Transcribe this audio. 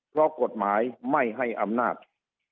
เพราะกฎหมายไม่ให้อำนาจ